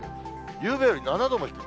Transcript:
ゆうべより７度も低い。